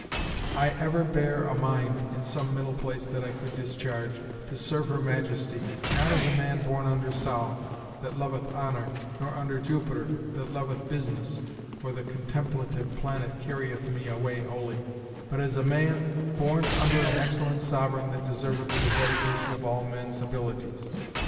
I ever bare a mind (in some middle place that I could discharge) to serve her Majesty, not as a man born under Sol, that loveth honour, nor under Jupiter, that loveth business (for the contemplative planet carrieth me away wholly), but as a man born under an excellent sovereign that deserveth the dedication of all men's abilities.